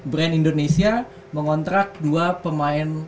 brand indonesia mengontrak dua pemain